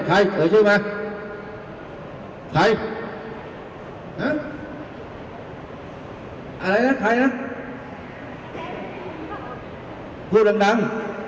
ใครเสียชื่อมาใครอะไรนะใครนะพูดดังดัง